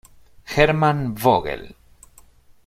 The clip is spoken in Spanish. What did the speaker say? Hermann Vogel